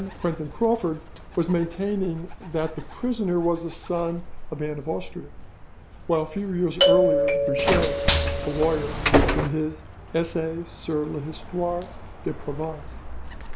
Quentin Crawfurd was maintaining that the prisoner was a son of Anne of Austria; while a few years earlier Bouche, a lawyer, in his 'Essai sur l'Histoire de Provence' (2 vols.